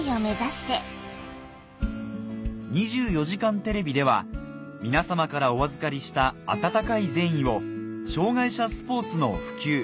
『２４時間テレビ』では皆様からお預かりした温かい善意を障がい者スポーツの普及